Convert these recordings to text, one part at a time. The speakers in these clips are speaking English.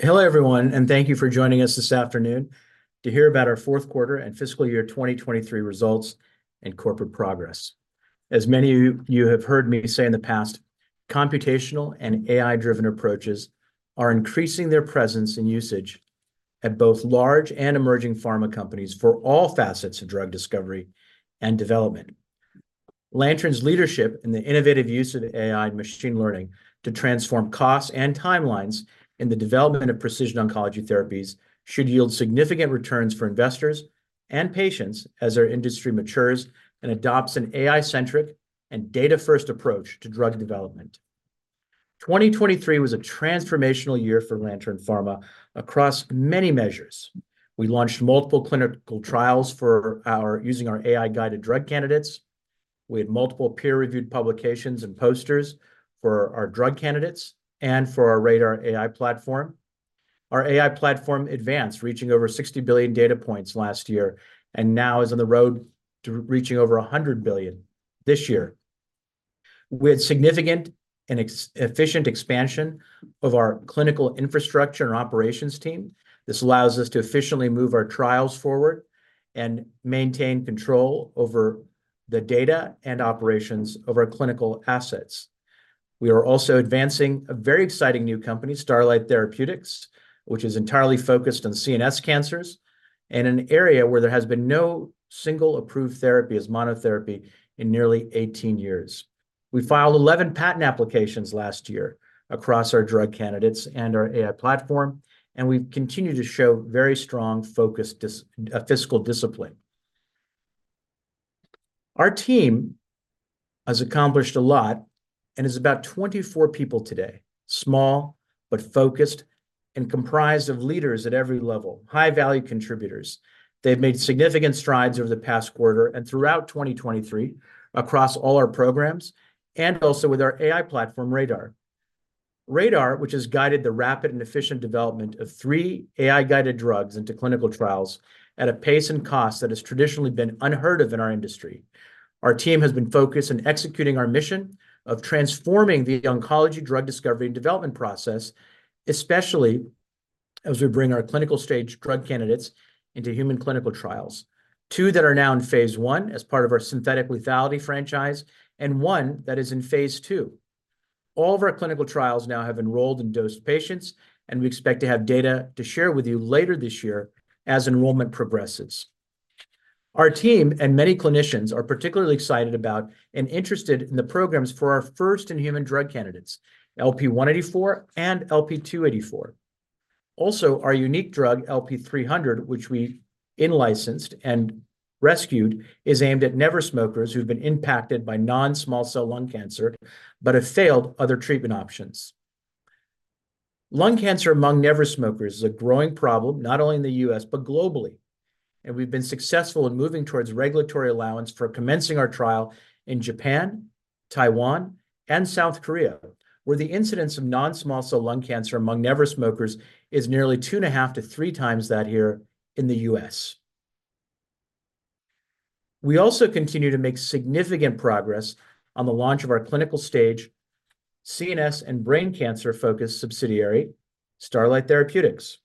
Hello everyone, and thank you for joining us this afternoon to hear about our fourth quarter and fiscal year 2023 results and corporate progress. As many of you have heard me say in the past, computational and AI-driven approaches are increasing their presence and usage at both large and emerging pharma companies for all facets of drug discovery and development. Lantern's leadership in the innovative use of AI and machine learning to transform costs and timelines in the development of precision oncology therapies should yield significant returns for investors and patients as our industry matures and adopts an AI-centric and data-first approach to drug development. 2023 was a transformational year for Lantern Pharma across many measures. We launched multiple clinical trials using our AI-guided drug candidates. We had multiple peer-reviewed publications and posters for our drug candidates and for our RADR AI platform. Our AI platform advanced, reaching over 60 billion data points last year, and now is on the road to reaching over 100 billion this year. We had significant and efficient expansion of our clinical infrastructure and operations team. This allows us to efficiently move our trials forward and maintain control over the data and operations of our clinical assets. We are also advancing a very exciting new company, Starlight Therapeutics, which is entirely focused on CNS cancers in an area where there has been no single approved therapy as monotherapy in nearly 18 years. We filed 11 patent applications last year across our drug candidates and our AI platform, and we've continued to show very strong focused fiscal discipline. Our team has accomplished a lot and is about 24 people today, small but focused and comprised of leaders at every level, high-value contributors. They've made significant strides over the past quarter and throughout 2023 across all our programs and also with our AI platform, RADR, which has guided the rapid and efficient development of three AI-guided drugs into clinical trials at a pace and cost that has traditionally been unheard of in our industry. Our team has been focused on executing our mission of transforming the oncology drug discovery and development process, especially as we bring our clinical stage drug candidates into human clinical trials, two that are now in phase I as part of our synthetic lethality franchise and one that is in phase II. All of our clinical trials now have enrolled and dosed patients, and we expect to have data to share with you later this year as enrollment progresses. Our team and many clinicians are particularly excited about and interested in the programs for our first-in-human drug candidates, LP-184 and LP-284. Also, our unique drug, LP-300, which we licensed and rescued, is aimed at never-smokers who've been impacted by non-small cell lung cancer but have failed other treatment options. Lung cancer among never-smokers is a growing problem not only in the US but globally, and we've been successful in moving towards regulatory allowance for commencing our trial in Japan, Taiwan, and South Korea, where the incidence of non-small cell lung cancer among never-smokers is nearly 2.5-3x that here in the US We also continue to make significant progress on the launch of our clinical stage CNS and brain cancer-focused subsidiary, Starlight Therapeutics.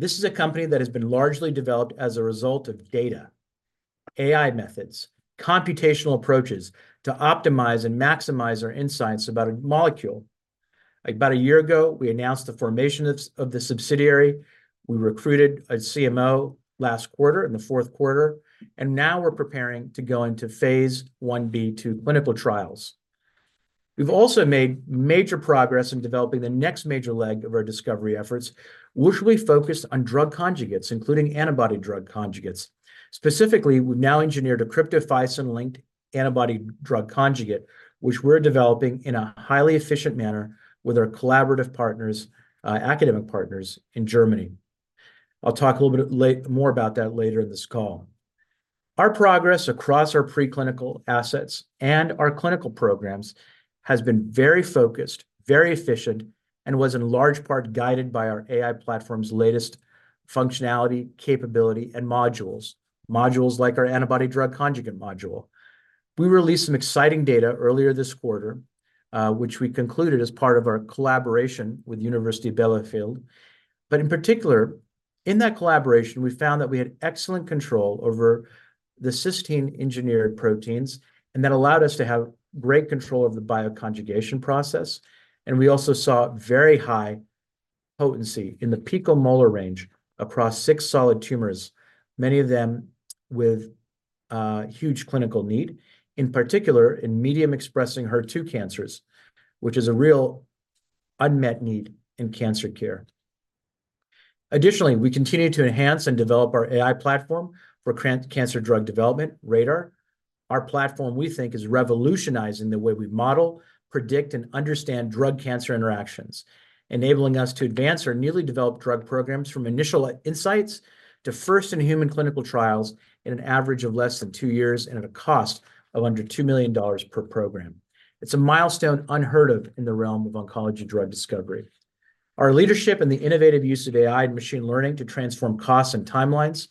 This is a company that has been largely developed as a result of data, AI methods, computational approaches to optimize and maximize our insights about a molecule. About a year ago, we announced the formation of the subsidiary. We recruited a CMO last quarter and the fourth quarter, and now we're preparing to go into phase I-B2 clinical trials. We've also made major progress in developing the next major leg of our discovery efforts, which will be focused on drug conjugates, including antibody-drug conjugates. Specifically, we've now engineered a Cryptophysin-linked antibody-drug conjugate, which we're developing in a highly efficient manner with our collaborative partners, academic partners in Germany. I'll talk a little bit more about that later in this call. Our progress across our preclinical assets and our clinical programs has been very focused, very efficient, and was in large part guided by our AI platform's latest functionality, capability, and modules, modules like our antibody-drug conjugate module. We released some exciting data earlier this quarter, which we concluded as part of our collaboration with the University of Bielefeld. But in particular, in that collaboration, we found that we had excellent control over the cysteine-engineered proteins and that allowed us to have great control of the bioconjugation process. And we also saw very high potency in the picomolar range across six solid tumors, many of them with huge clinical need, in particular in medium-expressing HER2 cancers, which is a real unmet need in cancer care. Additionally, we continue to enhance and develop our AI platform for cancer drug development, RADR. Our platform, we think, is revolutionizing the way we model, predict, and understand drug-cancer interactions, enabling us to advance our newly developed drug programs from initial insights to first-in-human clinical trials in an average of less than 2 years and at a cost of under $2 million per program. It's a milestone unheard of in the realm of oncology drug discovery. Our leadership in the innovative use of AI and machine learning to transform costs and timelines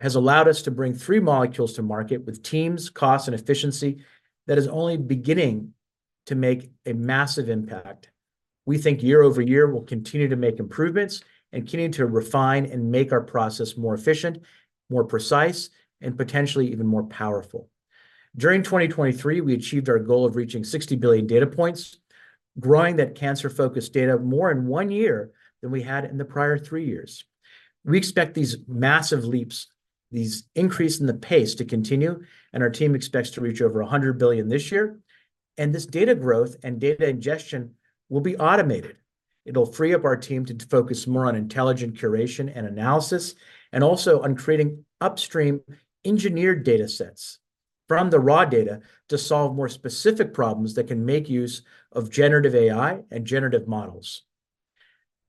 has allowed us to bring three molecules to market with teams, cost, and efficiency that is only beginning to make a massive impact. We think year-over-year we'll continue to make improvements and continue to refine and make our process more efficient, more precise, and potentially even more powerful. During 2023, we achieved our goal of reaching 60 billion data points, growing that cancer-focused data more in one year than we had in the prior three years. We expect these massive leaps, these increase in the pace to continue, and our team expects to reach over 100 billion this year. This data growth and data ingestion will be automated. It'll free up our team to focus more on intelligent curation and analysis and also on creating upstream engineered data sets from the raw data to solve more specific problems that can make use of generative AI and generative models.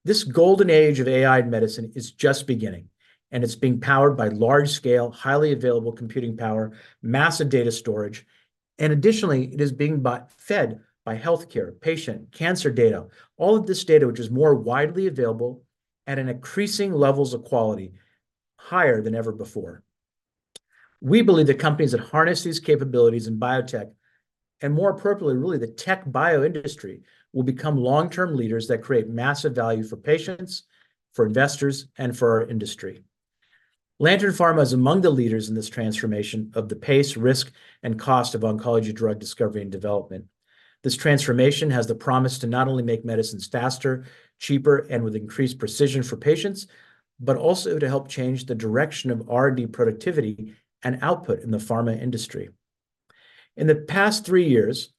This golden age of AI and medicine is just beginning, and it's being powered by large-scale, highly available computing power, massive data storage. Additionally, it is being fed by healthcare, patient, cancer data, all of this data, which is more widely available at increasing levels of quality, higher than ever before. We believe the companies that harness these capabilities in biotech and more appropriately, really, the TechBio industry will become long-term leaders that create massive value for patients, for investors, and for our industry. Lantern Pharma is among the leaders in this transformation of the pace, risk, and cost of oncology drug discovery and development. This transformation has the promise to not only make medicines faster, cheaper, and with increased precision for patients, but also to help change the direction of R&D productivity and output in the pharma industry. In the past three years,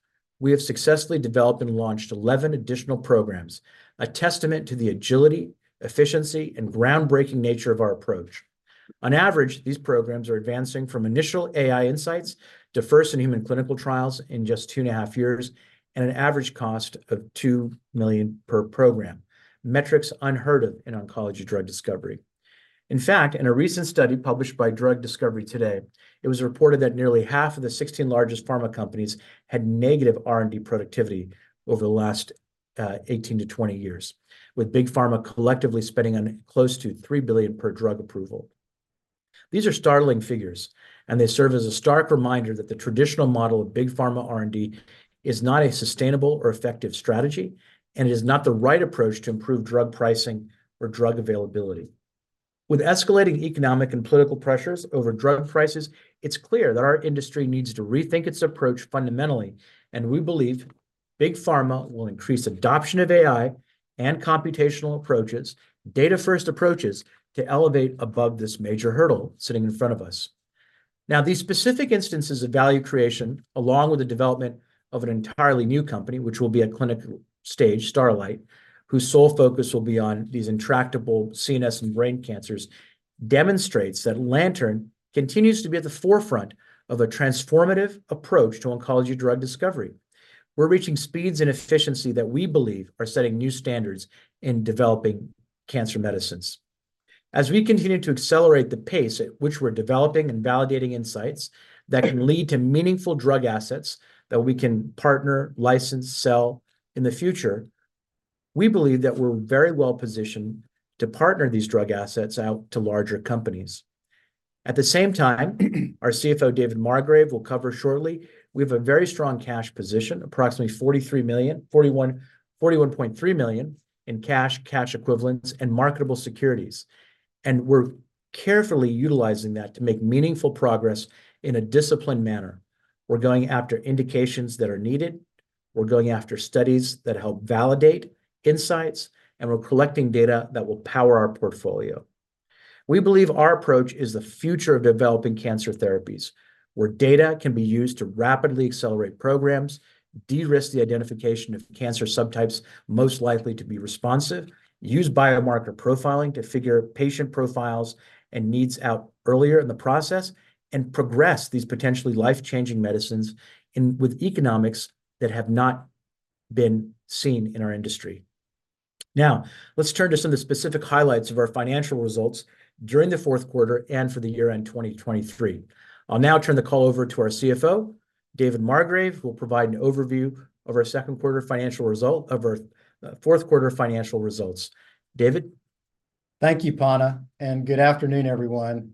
we have successfully developed and launched 11 additional programs, a testament to the agility, efficiency, and groundbreaking nature of our approach. On average, these programs are advancing from initial AI insights to first-in-human clinical trials in just 2.5 years and an average cost of $2 million per program, metrics unheard of in oncology drug discovery. In fact, in a recent study published by Drug Discovery Today, it was reported that nearly half of the 16 largest pharma companies had negative R&D productivity over the last 18-20 years, with big pharma collectively spending close to $3 billion per drug approval. These are startling figures, and they serve as a stark reminder that the traditional model of big pharma R&D is not a sustainable or effective strategy, and it is not the right approach to improve drug pricing or drug availability. With escalating economic and political pressures over drug prices, it's clear that our industry needs to rethink its approach fundamentally, and we believe big pharma will increase adoption of AI and computational approaches, data-first approaches to elevate above this major hurdle sitting in front of us. Now, these specific instances of value creation, along with the development of an entirely new company, which will be a clinical stage, Starlight, whose sole focus will be on these intractable CNS and brain cancers, demonstrates that Lantern continues to be at the forefront of a transformative approach to oncology drug discovery. We're reaching speeds and efficiency that we believe are setting new standards in developing cancer medicines. As we continue to accelerate the pace at which we're developing and validating insights that can lead to meaningful drug assets that we can partner, license, sell in the future, we believe that we're very well positioned to partner these drug assets out to larger companies. At the same time, our CFO, David Margrave, will cover shortly. We have a very strong cash position, approximately $41.3 million in cash, cash equivalents, and marketable securities. We're carefully utilizing that to make meaningful progress in a disciplined manner. We're going after indications that are needed. We're going after studies that help validate insights, and we're collecting data that will power our portfolio. We believe our approach is the future of developing cancer therapies, where data can be used to rapidly accelerate programs, de-risk the identification of cancer subtypes most likely to be responsive, use biomarker profiling to figure patient profiles and needs out earlier in the process, and progress these potentially life-changing medicines with economics that have not been seen in our industry. Now, let's turn to some of the specific highlights of our financial results during the fourth quarter and for the year-end 2023. I'll now turn the call over to our CFO, David Margrave, who will provide an overview of our second quarter financial result of our fourth quarter financial results. David? Thank you, Panna, and good afternoon, everyone.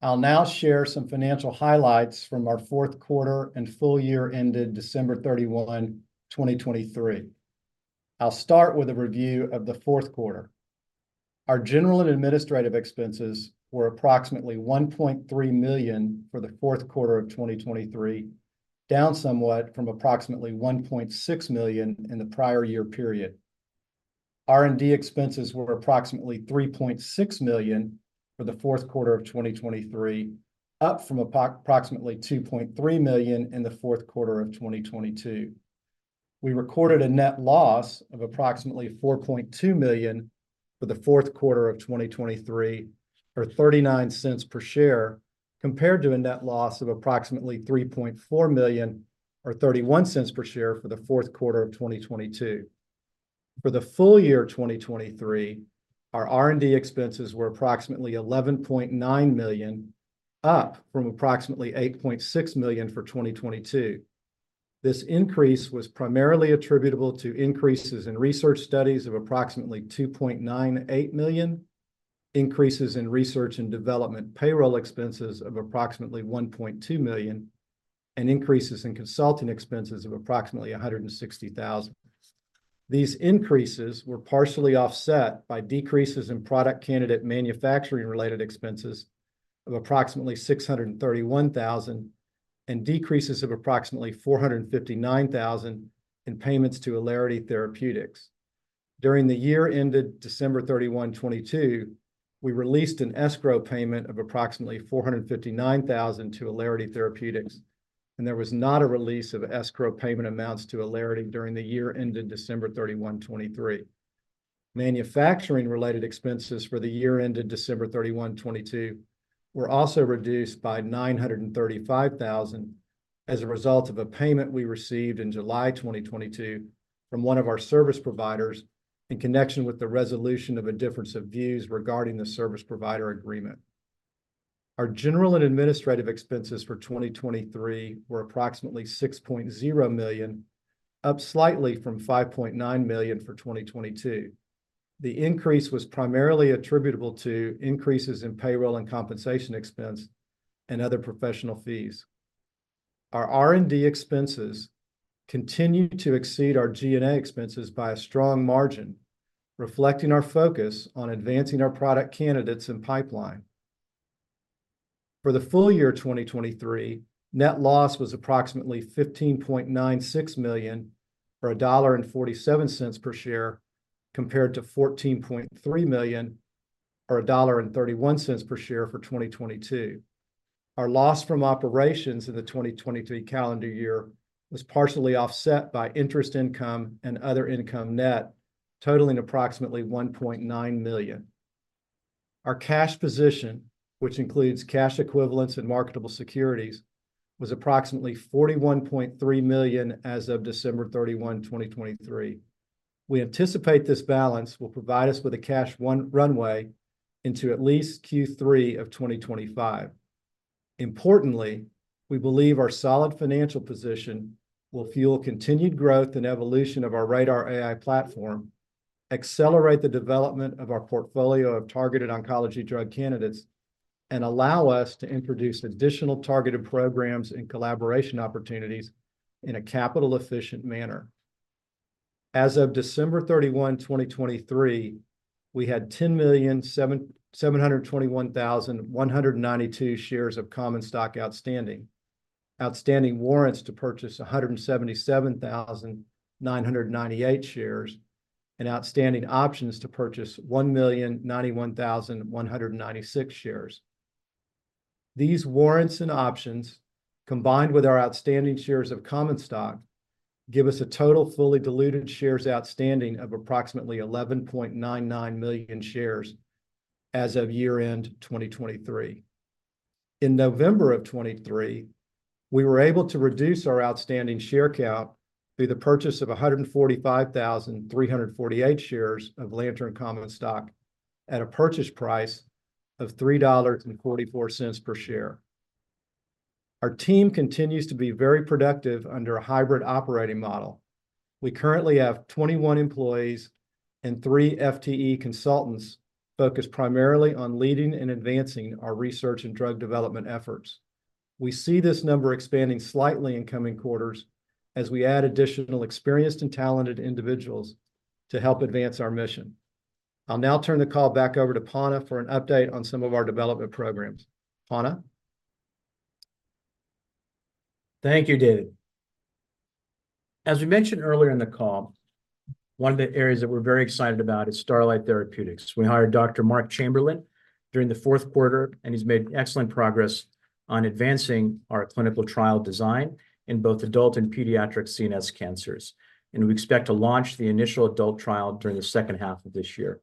I'll now share some financial highlights from our fourth quarter and full year ended December 31, 2023. I'll start with a review of the fourth quarter. Our general and administrative expenses were approximately $1.3 million for the fourth quarter of 2023, down somewhat from approximately $1.6 million in the prior year period. R&D expenses were approximately $3.6 million for the fourth quarter of 2023, up from approximately $2.3 million in the fourth quarter of 2022. We recorded a net loss of approximately $4.2 million for the fourth quarter of 2023, or $0.39 per share, compared to a net loss of approximately $3.4 million or $0.31 per share for the fourth quarter of 2022. For the full year 2023, our R&D expenses were approximately $11.9 million, up from approximately $8.6 million for 2022. This increase was primarily attributable to increases in research studies of approximately $2.98 million, increases in research and development payroll expenses of approximately $1.2 million, and increases in consulting expenses of approximately $160,000. These increases were partially offset by decreases in product candidate manufacturing-related expenses of approximately $631,000 and decreases of approximately $459,000 in payments to Alarity Therapeutics. During the year ended December 31, 2022, we released an escrow payment of approximately $459,000 to Alarity Therapeutics, and there was not a release of escrow payment amounts to Alarity during the year ended December 31, 2023. Manufacturing-related expenses for the year ended December 31, 2022, were also reduced by $935,000 as a result of a payment we received in July 2022 from one of our service providers in connection with the resolution of a difference of views regarding the service provider agreement. Our general and administrative expenses for 2023 were approximately $6.0 million, up slightly from $5.9 million for 2022. The increase was primarily attributable to increases in payroll and compensation expense and other professional fees. Our R&D expenses continue to exceed our G&A expenses by a strong margin, reflecting our focus on advancing our product candidates and pipeline. For the full year 2023, net loss was approximately $15.96 million or $1.47 per share compared to $14.3 million or $1.31 per share for 2022. Our loss from operations in the 2023 calendar year was partially offset by interest income and other income net, totaling approximately $1.9 million. Our cash position, which includes cash equivalents and marketable securities, was approximately $41.3 million as of December 31, 2023. We anticipate this balance will provide us with a cash runway into at least Q3 of 2025. Importantly, we believe our solid financial position will fuel continued growth and evolution of our RADR AI platform, accelerate the development of our portfolio of targeted oncology drug candidates, and allow us to introduce additional targeted programs and collaboration opportunities in a capital-efficient manner. As of December 31, 2023, we had 10,721,192 shares of Common Stock outstanding, outstanding warrants to purchase 177,998 shares, and outstanding options to purchase 1,091,196 shares. These warrants and options, combined with our outstanding shares of Common Stock, give us a total fully diluted shares outstanding of approximately 11.99 million shares as of year-end 2023. In November of 2023, we were able to reduce our outstanding share count through the purchase of 145,348 shares of Lantern Common Stock at a purchase price of $3.44 per share. Our team continues to be very productive under a hybrid operating model. We currently have 21 employees and three FTE consultants focused primarily on leading and advancing our research and drug development efforts. We see this number expanding slightly in coming quarters as we add additional experienced and talented individuals to help advance our mission. I'll now turn the call back over to Panna for an update on some of our development programs. Panna? Thank you, David. As we mentioned earlier in the call, one of the areas that we're very excited about is Starlight Therapeutics. We hired Dr. Marc Chamberlain during the fourth quarter, and he's made excellent progress on advancing our clinical trial design in both adult and pediatric CNS cancers. And we expect to launch the initial adult trial during the second half of this year.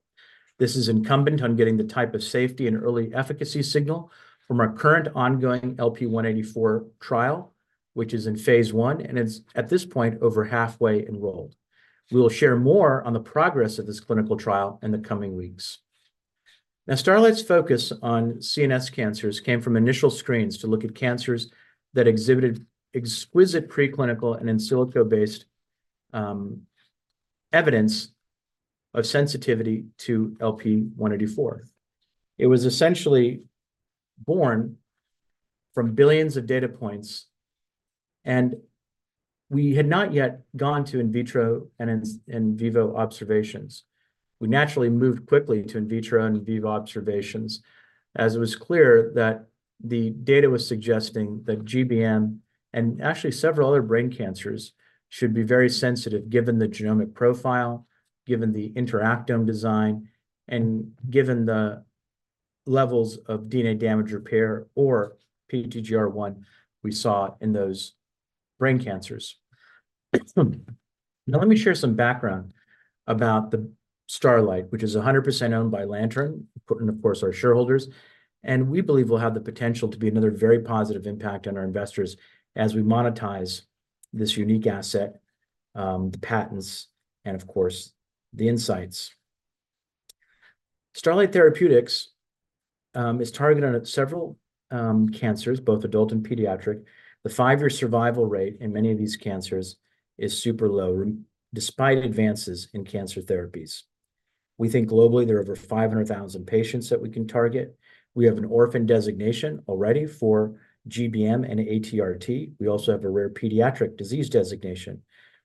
This is incumbent on getting the type of safety and early efficacy signal from our current ongoing LP-184 trial, which is in phase I and is at this point over halfway enrolled. We will share more on the progress of this clinical trial in the coming weeks. Now, Starlight's focus on CNS cancers came from initial screens to look at cancers that exhibited exquisite preclinical and in silico-based evidence of sensitivity to LP-184. It was essentially born from billions of data points, and we had not yet gone to in vitro and in vivo observations. We naturally moved quickly to in vitro and in vivo observations as it was clear that the data was suggesting that GBM and actually several other brain cancers should be very sensitive given the genomic profile, given the interactome design, and given the levels of DNA damage repair or PTGR1 we saw in those brain cancers. Now, let me share some background about the Starlight, which is 100% owned by Lantern and, of course, our shareholders. And we believe we'll have the potential to be another very positive impact on our investors as we monetize this unique asset, the patents, and, of course, the insights. Starlight Therapeutics is targeted on several cancers, both adult and pediatric. The five-year survival rate in many of these cancers is super low despite advances in cancer therapies. We think globally there are over 500,000 patients that we can target. We have an orphan designation already for GBM and ATRT. We also have a rare pediatric disease designation.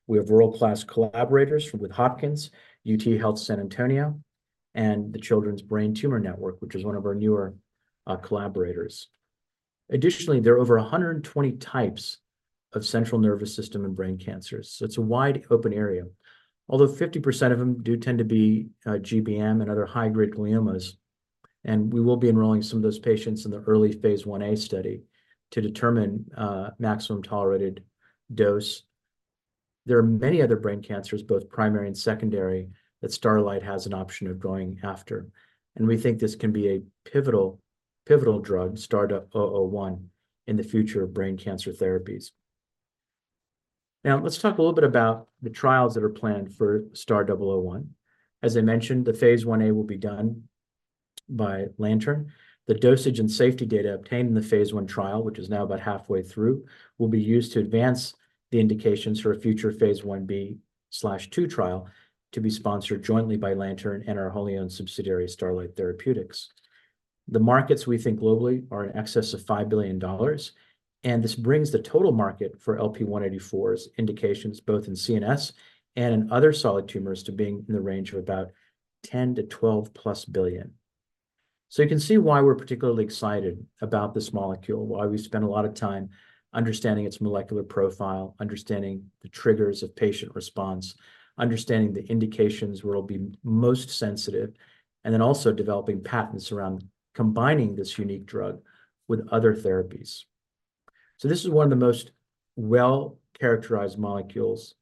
We have world-class collaborators with Hopkins, UT Health San Antonio, and the Children's Brain Tumor Network, which is one of our newer collaborators. Additionally, there are over 120 types of central nervous system and brain cancers. So it's a wide open area, although 50% of them do tend to be GBM and other high-grade gliomas. We will be enrolling some of those patients in the early phase I-A study to determine maximum tolerated dose. There are many other brain cancers, both primary and secondary, that Starlight has an option of going after. We think this can be a pivotal drug, STAR-001, in the future of brain cancer therapies. Now, let's talk a little bit about the trials that are planned for STAR-001. As I mentioned, the phase 1a will be done by Lantern. The dosage and safety data obtained in the phase I trial, which is now about halfway through, will be used to advance the indications for a future phase I-B/II trial to be sponsored jointly by Lantern and our wholly owned subsidiary, Starlight Therapeutics. The markets we think globally are in excess of $5 billion. And this brings the total market for LP-184's indications, both in CNS and in other solid tumors, to being in the range of about $10-12+ billion. So you can see why we're particularly excited about this molecule, why we spend a lot of time understanding its molecular profile, understanding the triggers of patient response, understanding the indications where it'll be most sensitive, and then also developing patents around combining this unique drug with other therapies. So this is one of the most well-characterized molecules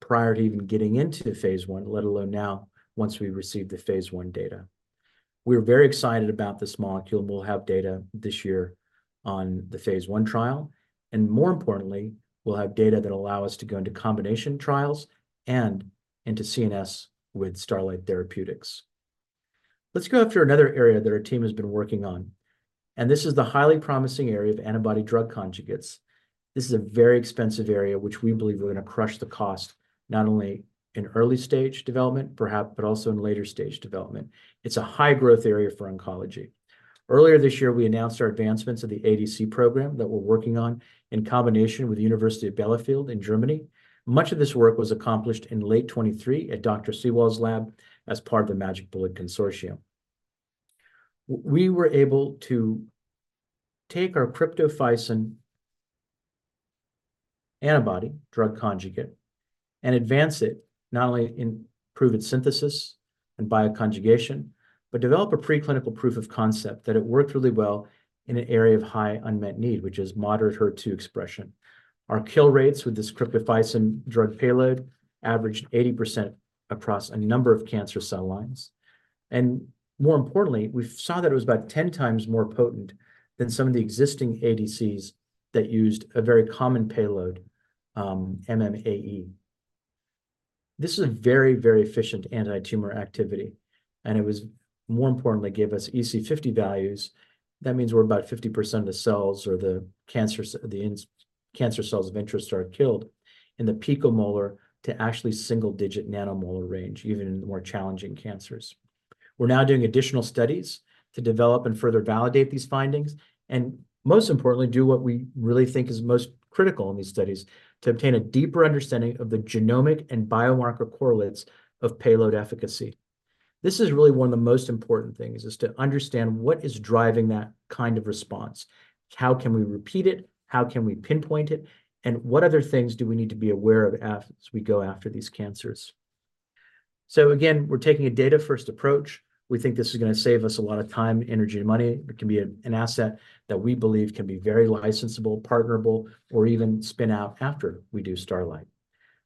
prior to even getting into phase I, let alone now once we receive the phase I data. We're very excited about this molecule, and we'll have data this year on the phase I trial. And more importantly, we'll have data that allow us to go into combination trials and into CNS with Starlight Therapeutics. Let's go after another area that our team has been working on. And this is the highly promising area of antibody-drug conjugates. This is a very expensive area, which we believe we're going to crush the cost not only in early-stage development, perhaps, but also in later-stage development. It's a high-growth area for oncology. Earlier this year, we announced our advancements of the ADC program that we're working on in combination with the University of Bielefeld in Germany. Much of this work was accomplished in late 2023 at Dr. Sewald's lab as part of the Magic Bullet Consortium. We were able to take our Cryptophysin antibody-drug conjugate and advance it, not only improve its synthesis and bioconjugation, but develop a preclinical proof of concept that it worked really well in an area of high unmet need, which is moderate HER2 expression. Our kill rates with this Cryptophysin drug payload averaged 80% across a number of cancer cell lines. And more importantly, we saw that it was about 10x more potent than some of the existing ADCs that used a very common payload, MMAE. This is a very, very efficient anti-tumor activity. And it was, more importantly, gave us EC50 values. That means we're about 50% of the cells or the cancer cells of interest are killed in the picomolar to actually single-digit nanomolar range, even in the more challenging cancers. We're now doing additional studies to develop and further validate these findings, and most importantly, do what we really think is most critical in these studies to obtain a deeper understanding of the genomic and biomarker correlates of payload efficacy. This is really one of the most important things, is to understand what is driving that kind of response, how can we repeat it, how can we pinpoint it, and what other things do we need to be aware of as we go after these cancers. So again, we're taking a data-first approach. We think this is going to save us a lot of time, energy, and money. It can be an asset that we believe can be very licensable, partnerable, or even spin out after we do Starlight.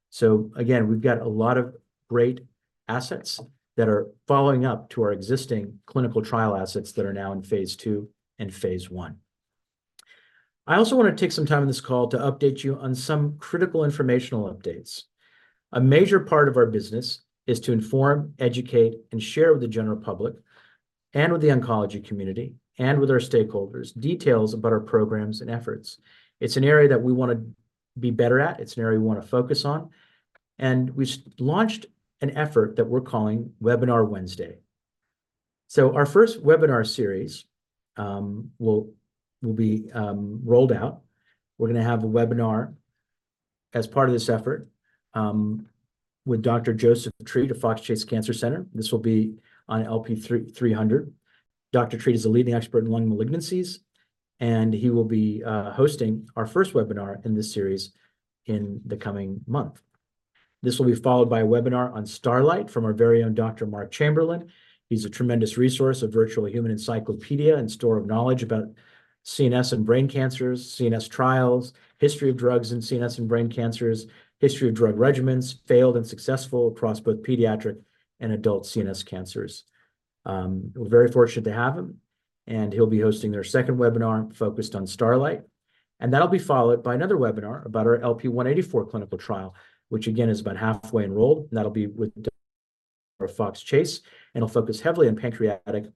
So again, we've got a lot of great assets that are following up to our existing clinical trial assets that are now in phase II and phase I. I also want to take some time in this call to update you on some critical informational updates. A major part of our business is to inform, educate, and share with the general public and with the oncology community and with our stakeholders details about our programs and efforts. It's an area that we want to be better at. It's an area we want to focus on. We launched an effort that we're calling Webinar Wednesday. Our first webinar series will be rolled out. We're going to have a webinar as part of this effort with Dr. Joseph Treat of Fox Chase Cancer Center. This will be on LP-300. Dr. Treat is a leading expert in lung malignancies, and he will be hosting our first webinar in this series in the coming month. This will be followed by a webinar on Starlight from our very own Dr. Marc Chamberlain. He's a tremendous resource, a virtual human encyclopedia and store of knowledge about CNS and brain cancers, CNS trials, history of drugs in CNS and brain cancers, history of drug regimens, failed and successful across both pediatric and adult CNS cancers. We're very fortunate to have him. He'll be hosting the second webinar focused on Starlight. That'll be followed by another webinar about our LP-184 clinical trial, which again is about halfway enrolled. That'll be with Dr. [audio distorion] Fox Chase. And it'll focus heavily on pancreatic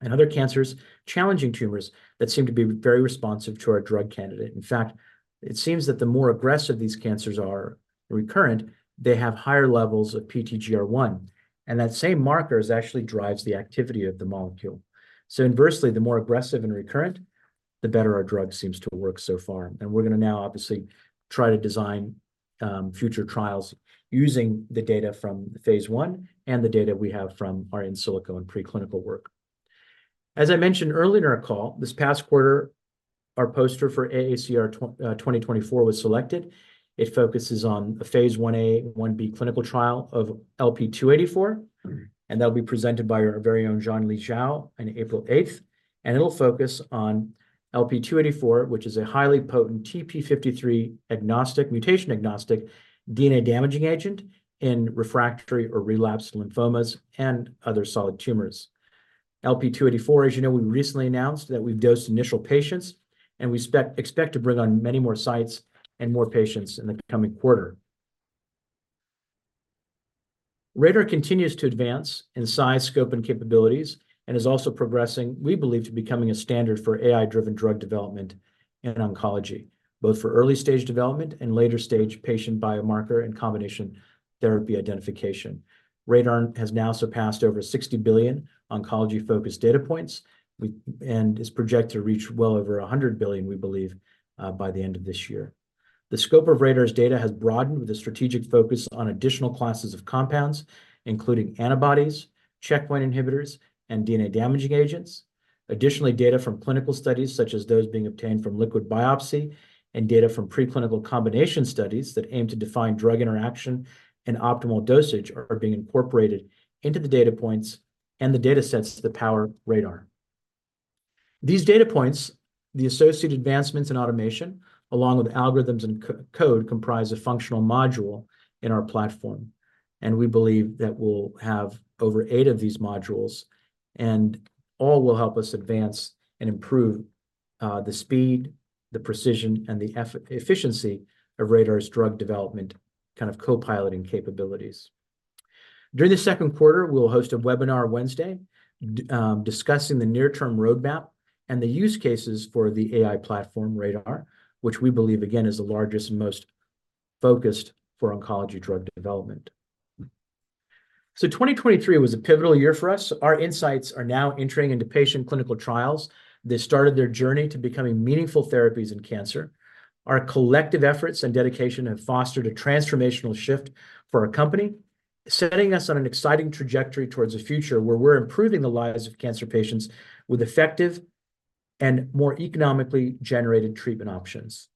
and other cancers, challenging tumors that seem to be very responsive to our drug candidate. In fact, it seems that the more aggressive these cancers are recurrent, they have higher levels of PTGR1. And that same marker actually drives the activity of the molecule. So inversely, the more aggressive and recurrent, the better our drug seems to work so far. And we're going to now obviously try to design future trials using the data from phase I and the data we have from our in silico and preclinical work. As I mentioned earlier in our call, this past quarter, our poster for AACR 2024 was selected. It focuses on a phase I-A and I-B clinical trial of LP-284. And that'll be presented by our very own Jianli Zhou on April 8th. It'll focus on LP-284, which is a highly potent TP53 agnostic, mutation agnostic DNA damaging agent in refractory or relapsed lymphomas and other solid tumors. LP-284, as you know, we recently announced that we've dosed initial patients, and we expect to bring on many more sites and more patients in the coming quarter. RADR continues to advance in size, scope, and capabilities and is also progressing, we believe, to becoming a standard for AI-driven drug development in oncology, both for early-stage development and later-stage patient biomarker and combination therapy identification. RADR has now surpassed over 60 billion oncology-focused data points and is projected to reach well over 100 billion, we believe, by the end of this year. The scope of RADR's data has broadened with a strategic focus on additional classes of compounds, including antibodies, checkpoint inhibitors, and DNA damaging agents. Additionally, data from clinical studies, such as those being obtained from liquid biopsy and data from preclinical combination studies that aim to define drug interaction and optimal dosage, are being incorporated into the data points and the datasets that power RADR. These data points, the associated advancements in automation, along with algorithms and code, comprise a functional module in our platform. We believe that we'll have over eight of these modules, and all will help us advance and improve the speed, the precision, and the efficiency of RADR's drug development kind of co-piloting capabilities. During the second quarter, we'll host a webinar Wednesday discussing the near-term roadmap and the use cases for the AI platform RADR, which we believe, again, is the largest and most focused for oncology drug development. 2023 was a pivotal year for us. Our insights are now entering into patient clinical trials. They started their journey to becoming meaningful therapies in cancer. Our collective efforts and dedication have fostered a transformational shift for our company, setting us on an exciting trajectory towards a future where we're improving the lives of cancer patients with effective and more economically generated treatment options.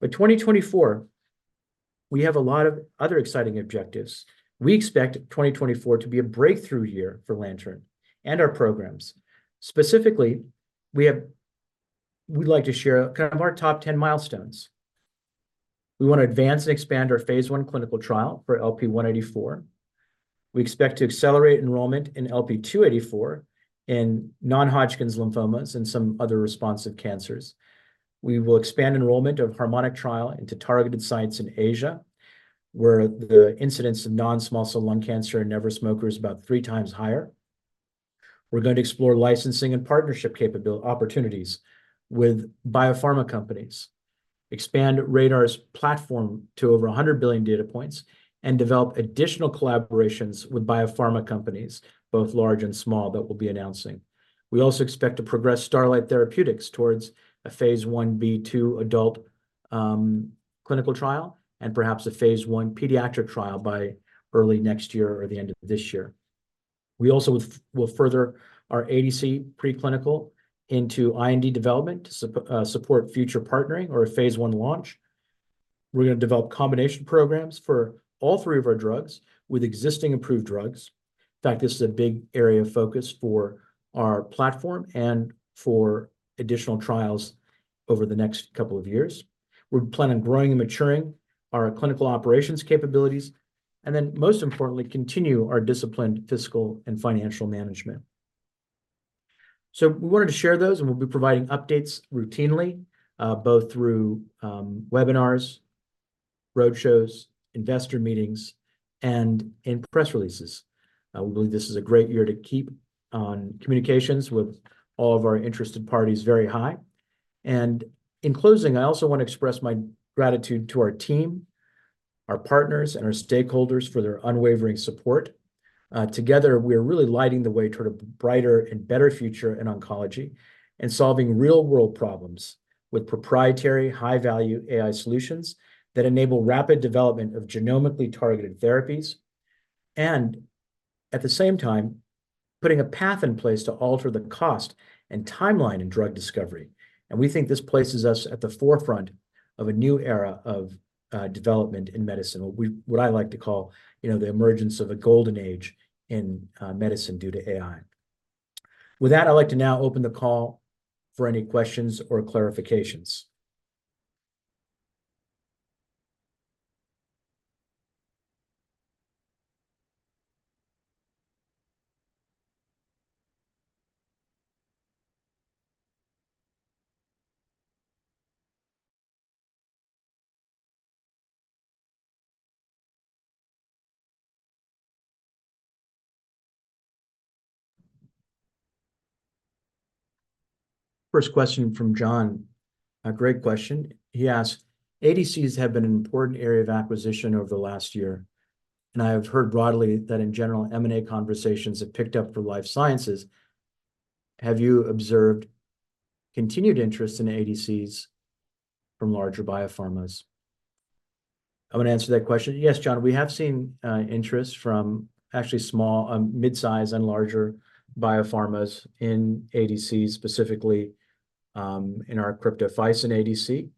But 2024, we have a lot of other exciting objectives. We expect 2024 to be a breakthrough year for Lantern and our programs. Specifically, we'd like to share kind of our top 10 milestones. We want to advance and expand our phase I clinical trial for LP-184. We expect to accelerate enrollment in LP-284 in non-Hodgkin's lymphomas and some other responsive cancers. We will expand enrollment of Harmonic trial into targeted sites in Asia, where the incidence of non-small cell lung cancer in never smokers is about 3x higher. We're going to explore licensing and partnership opportunities with biopharma companies, expand RADR's platform to over 100 billion data points, and develop additional collaborations with biopharma companies, both large and small, that we'll be announcing. We also expect to progress Starlight Therapeutics towards a phase I-B adult clinical trial and perhaps a phase I pediatric trial by early next year or the end of this year. We also will further our ADC preclinical into IND development to support future partnering or a phase I launch. We're going to develop combination programs for all three of our drugs with existing improved drugs. In fact, this is a big area of focus for our platform and for additional trials over the next couple of years. We're planning on growing and maturing our clinical operations capabilities and then, most importantly, continue our disciplined physical and financial management. We wanted to share those, and we'll be providing updates routinely, both through webinars, road shows, investor meetings, and in press releases. We believe this is a great year to keep on communications with all of our interested parties very high. In closing, I also want to express my gratitude to our team, our partners, and our stakeholders for their unwavering support. Together, we are really lighting the way toward a brighter and better future in oncology and solving real-world problems with proprietary, high-value AI solutions that enable rapid development of genomically targeted therapies and, at the same time, putting a path in place to alter the cost and timeline in drug discovery. We think this places us at the forefront of a new era of development in medicine, what I like to call the emergence of a golden age in medicine due to AI. With that, I'd like to now open the call for any questions or clarifications. First question from John. Great question. He asks, "ADCs have been an important area of acquisition over the last year, and I have heard broadly that, in general, M&A conversations have picked up for life sciences. Have you observed continued interest in ADCs from larger biopharmas?" I'm going to answer that question. Yes, John, we have seen interest from actually small, midsize, and larger biopharmas in ADCs, specifically in our Cryptophysin ADC.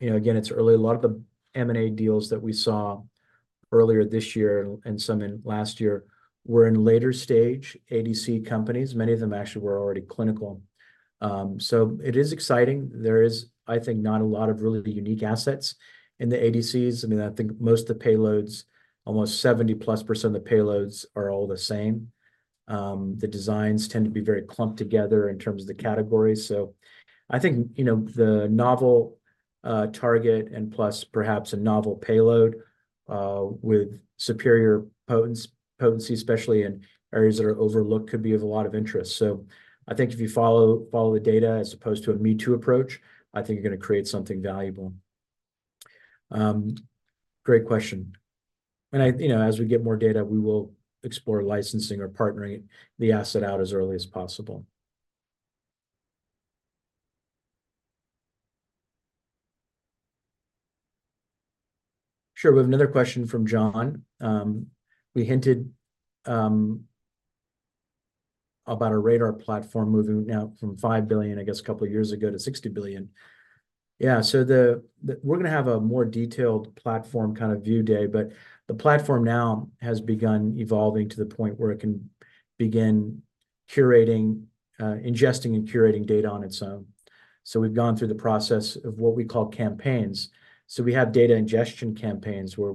Again, it's early. A lot of the M&A deals that we saw earlier this year and some in last year were in later-stage ADC companies. Many of them actually were already clinical. So it is exciting. There is, I think, not a lot of really unique assets in the ADCs. I mean, I think most of the payloads, almost 70+% of the payloads, are all the same. The designs tend to be very clumped together in terms of the categories. So I think the novel target and plus perhaps a novel payload with superior potency, especially in areas that are overlooked, could be of a lot of interest. So I think if you follow the data as opposed to a me-too approach, I think you're going to create something valuable. Great question. As we get more data, we will explore licensing or partnering the asset out as early as possible. Sure. We have another question from John. We hinted about our RADR platform moving now from 5 billion, I guess, a couple of years ago to 60 billion. Yeah. So we're going to have a more detailed platform kind of view day, but the platform now has begun evolving to the point where it can begin ingesting and curating data on its own. So we've gone through the process of what we call campaigns. So we have data ingestion campaigns where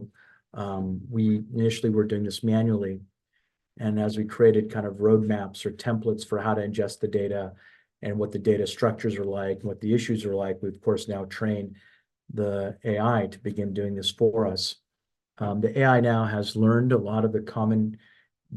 we initially were doing this manually. And as we created kind of roadmaps or templates for how to ingest the data and what the data structures are like and what the issues are like, we, of course, now train the AI to begin doing this for us. The AI now has learned a lot of the common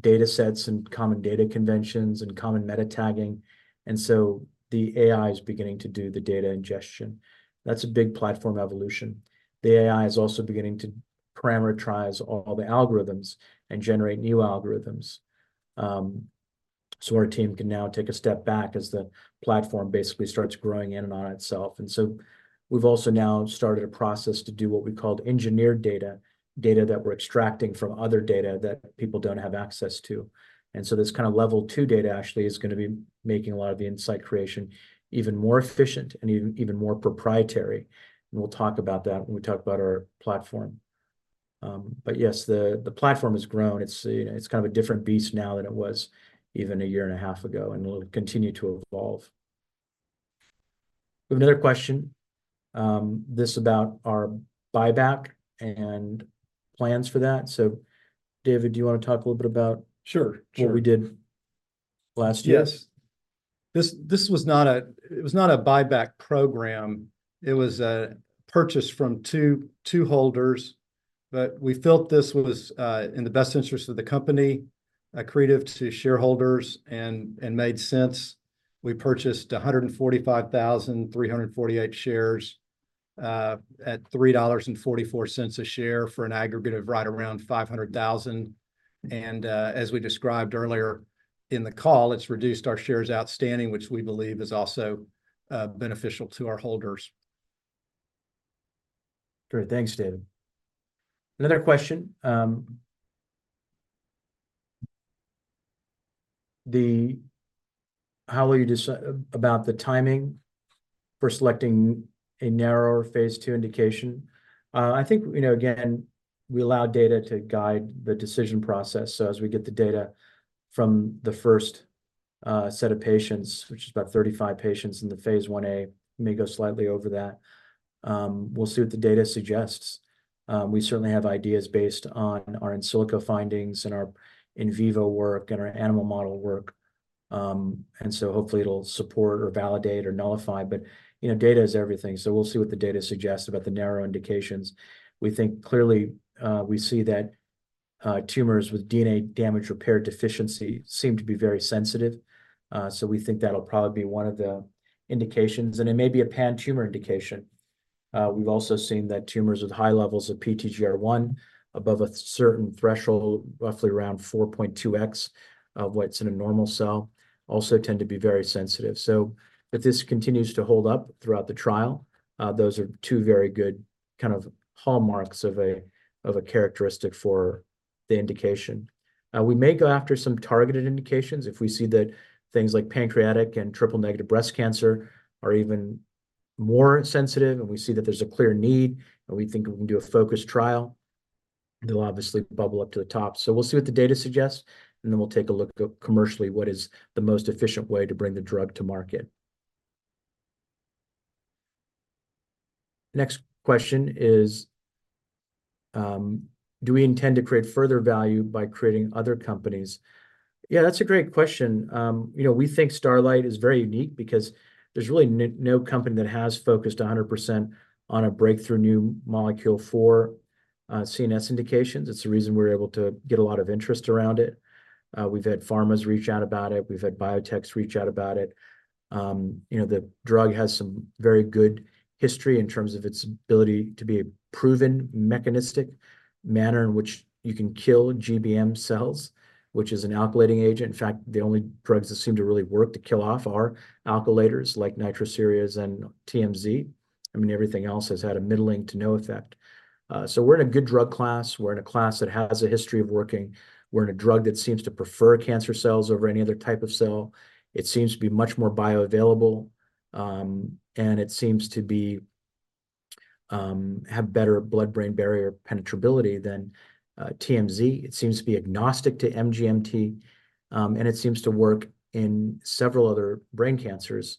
datasets and common data conventions and common meta-tagging. And so the AI is beginning to do the data ingestion. That's a big platform evolution. The AI is also beginning to parameterize all the algorithms and generate new algorithms. So our team can now take a step back as the platform basically starts growing in and on itself. And so we've also now started a process to do what we call engineered data, data that we're extracting from other data that people don't have access to. And so this kind of level two data, actually, is going to be making a lot of the insight creation even more efficient and even more proprietary. And we'll talk about that when we talk about our platform. But yes, the platform has grown. It's kind of a different beast now than it was even a year and a half ago, and it'll continue to evolve. We have another question. This is about our buyback and plans for that. So David, do you want to talk a little bit about what we did last year? Sure. Sure. Yes. This was not a, it was not a buyback program. It was a purchase from two holders. But we felt this was in the best interests of the company, accretive to shareholders, and made sense. We purchased 145,348 shares at $3.44 a share for an aggregate right around $500,000. And as we described earlier in the call, it's reduced our shares outstanding, which we believe is also beneficial to our holders. Great. Thanks, David. Another question. How were you about the timing for selecting a narrower phase II indication? I think, again, we allow data to guide the decision process. So as we get the data from the first set of patients, which is about 35 patients in the phase I-A, may go slightly over that. We'll see what the data suggests. We certainly have ideas based on our in silico findings and our in vivo work and our animal model work. And so hopefully, it'll support or validate or nullify. But data is everything. So we'll see what the data suggests about the narrow indications. We think clearly we see that tumors with DNA damage repair deficiency seem to be very sensitive. So we think that'll probably be one of the indications. And it may be a pan-tumor indication. We've also seen that tumors with high levels of PTGR1 above a certain threshold, roughly around 4.2x of what's in a normal cell, also tend to be very sensitive. So if this continues to hold up throughout the trial, those are two very good kind of hallmarks of a characteristic for the indication. We may go after some targeted indications if we see that things like pancreatic and triple-negative breast cancer are even more sensitive, and we see that there's a clear need, and we think we can do a focused trial. They'll obviously bubble up to the top. So we'll see what the data suggests, and then we'll take a look commercially what is the most efficient way to bring the drug to market. Next question is, "Do we intend to create further value by creating other companies?" Yeah, that's a great question. We think Starlight is very unique because there's really no company that has focused 100% on a breakthrough new molecule for CNS indications. It's the reason we're able to get a lot of interest around it. We've had pharmas reach out about it. We've had biotechs reach out about it. The drug has some very good history in terms of its ability to be a proven mechanistic manner in which you can kill GBM cells, which is an alkylating agent. In fact, the only drugs that seem to really work to kill off are alkylators like nitrosoureas and TMZ. I mean, everything else has had a middling to no effect. So we're in a good drug class. We're in a class that has a history of working. We're in a drug that seems to prefer cancer cells over any other type of cell. It seems to be much more bioavailable, and it seems to have better Blood-Brain Barrier penetrability than TMZ. It seems to be agnostic to MGMT, and it seems to work in several other brain cancers.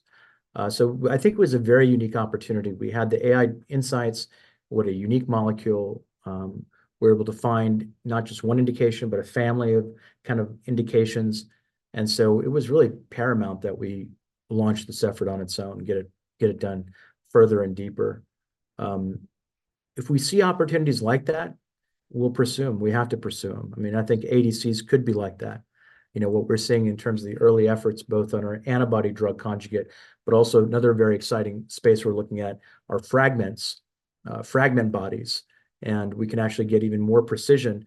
So I think it was a very unique opportunity. We had the AI insights. What a unique molecule. We're able to find not just one indication, but a family of kind of indications. And so it was really paramount that we launched this effort on its own and get it done further and deeper. If we see opportunities like that, we'll pursue. We have to pursue them. I mean, I think ADCs could be like that. What we're seeing in terms of the early efforts, both on our antibody-drug conjugate, but also another very exciting space we're looking at are fragments, fragment bodies, and we can actually get even more precision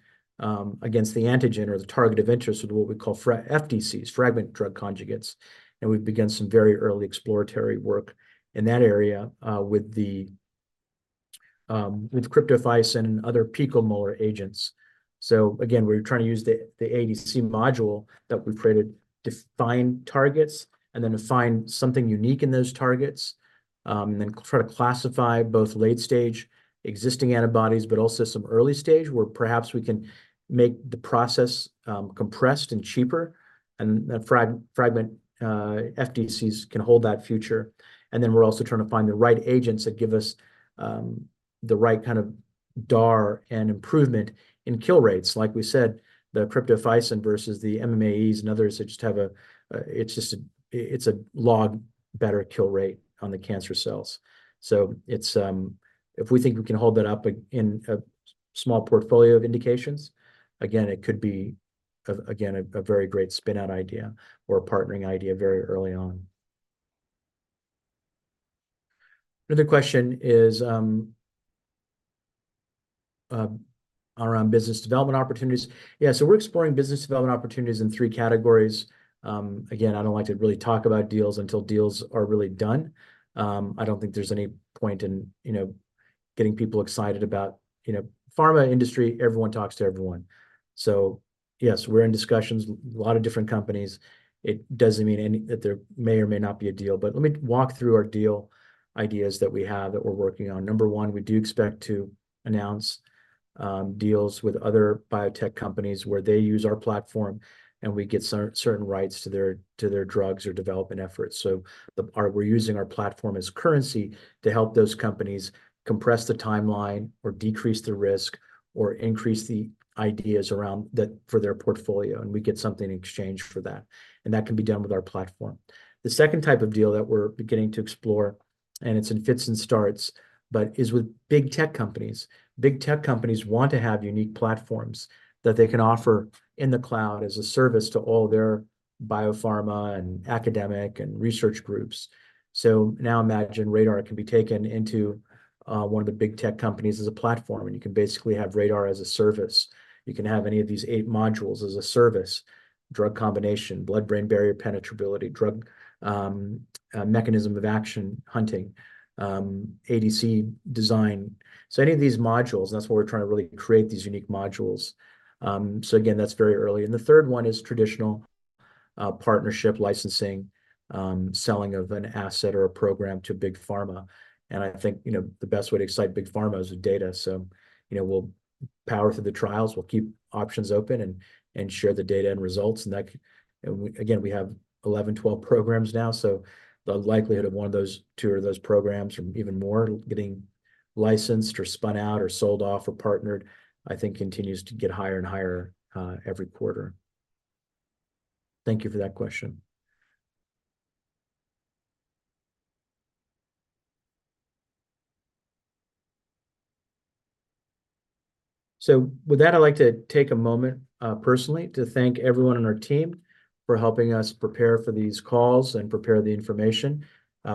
against the antigen or the target of interest with what we call FDCs, fragment drug conjugates. And we've begun some very early exploratory work in that area with Cryptophysin and other picomolar agents. So again, we're trying to use the ADC module that we've created to find targets and then find something unique in those targets and then try to classify both late-stage existing antibodies, but also some early-stage where perhaps we can make the process compressed and cheaper, and that fragment FDCs can hold that future. And then we're also trying to find the right agents that give us the right kind of DAR and improvement in kill rates. Like we said, the Cryptophysin versus the MMAEs and others, it just has a, it's a log better kill rate on the cancer cells. So if we think we can hold that up in a small portfolio of indications, again, it could be, again, a very great spin-out idea or a partnering idea very early on. Another question is around business development opportunities. Yeah. So we're exploring business development opportunities in three categories. Again, I don't like to really talk about deals until deals are really done. I don't think there's any point in getting people excited about pharma industry. Everyone talks to everyone. So yes, we're in discussions, a lot of different companies. It doesn't mean that there may or may not be a deal. But let me walk through our deal ideas that we have that we're working on. Number one, we do expect to announce deals with other biotech companies where they use our platform and we get certain rights to their drugs or development efforts. So we're using our platform as currency to help those companies compress the timeline or decrease the risk or increase the ideas around for their portfolio, and we get something in exchange for that. And that can be done with our platform. The second type of deal that we're beginning to explore, and it's in fits and starts, but is with big tech companies. Big tech companies want to have unique platforms that they can offer in the cloud as a service to all their biopharma and academic and research groups. So now imagine RADR can be taken into one of the big tech companies as a platform, and you can basically have RADR as a service. You can have any of these eight modules as a service: drug combination, blood-brain barrier penetrability, drug mechanism of action hunting, ADC design. So any of these modules, and that's what we're trying to really create, these unique modules. So again, that's very early. The third one is traditional partnership licensing, selling of an asset or a program to big pharma. And I think the best way to excite big pharma is with data. So we'll power through the trials. We'll keep options open and share the data and results. And again, we have 11, 12 programs now. So the likelihood of one of those two or those programs or even more getting licensed or spun out or sold off or partnered, I think, continues to get higher and higher every quarter. Thank you for that question. So with that, I'd like to take a moment personally to thank everyone on our team for helping us prepare for these calls and prepare the information.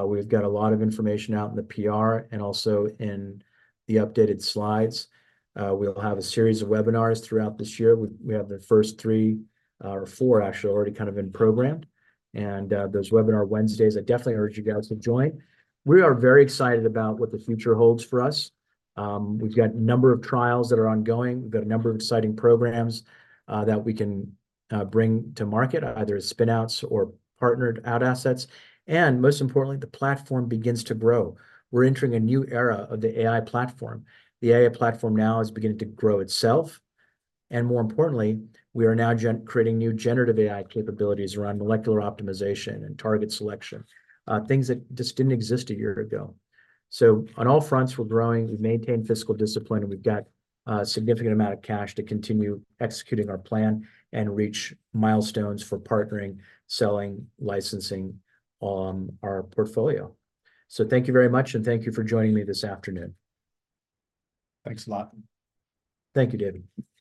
We've got a lot of information out in the PR and also in the updated slides. We'll have a series of webinars throughout this year. We have the first three or four, actually, already kind of in program. And those webinar Wednesdays, I definitely urge you guys to join. We are very excited about what the future holds for us. We've got a number of trials that are ongoing. We've got a number of exciting programs that we can bring to market, either as spin-outs or partnered-out assets. And most importantly, the platform begins to grow. We're entering a new era of the AI platform. The AI platform now is beginning to grow itself. And more importantly, we are now creating new generative AI capabilities around molecular optimization and target selection, things that just didn't exist a year ago. So on all fronts, we're growing. We've maintained fiscal discipline, and we've got a significant amount of cash to continue executing our plan and reach milestones for partnering, selling, licensing all on our portfolio. So thank you very much, and thank you for joining me this afternoon. Thanks a lot. Thank you, David.